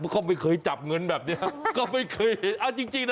เขาไม่เคยจับเงินแบบนี้คือเขาไม่เคยเห็นจริงนะ